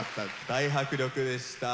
大迫力でした。